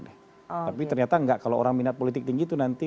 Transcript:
tapi ternyata enggak kalau orang minat politik tinggi itu nanti